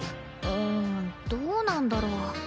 うんどうなんだろう。